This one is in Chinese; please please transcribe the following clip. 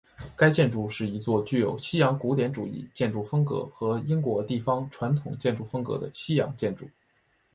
该建筑是一座具有西洋古典主义建筑风格和英国地方传统建筑风格的西洋建筑。